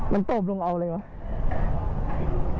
มันตบลงเอาเลยวะ